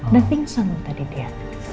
dan pingsan tadi dia